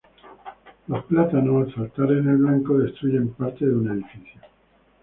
Los plátanos, al fallar en el blanco, destruyen partes de un edificio.